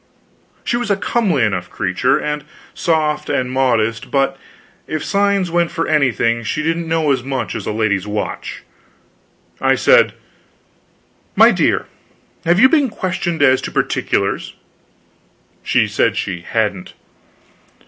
She was a comely enough creature, and soft and modest, but, if signs went for anything, she didn't know as much as a lady's watch. I said: "My dear, have you been questioned as to particulars?" She said she hadn't.